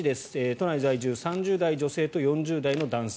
都内在住、３０代女性と４０代の男性。